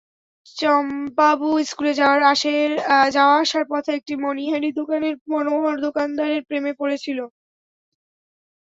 চম্পাবু স্কুলে যাওয়া-আসার পথে একটি মনিহারি দোকানের মনোহর দোকানদারের প্রেমে পড়েছিল।